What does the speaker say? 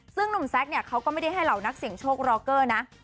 ซึ่งหนุ่มแซคเนี่ยเขาก็ไม่ได้ให้เหล่านักเสี่ยงโชครอเกอร์นะ